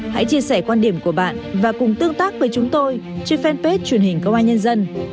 hãy chia sẻ quan điểm của bạn và cùng tương tác với chúng tôi trên fanpage truyền hình công an nhân dân